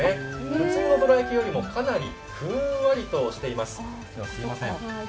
普通のどら焼きよりもかなりふんわりとしています。